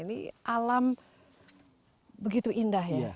ini alam begitu indah ya